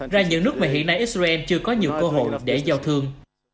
ra những nước mà hiện nay israel chưa có nhiều cơ hội để giao thương